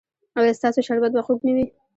ایا ستاسو شربت به خوږ نه وي؟